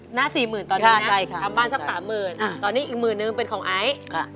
หน้า๔๐๐๐๐ตอนนี้นะทำบ้านสัก๓๐๐๐๐ตอนนี้อีกหมื่นหนึ่งเป็นของไอ้